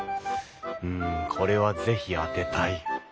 うんこれは是非当てたい。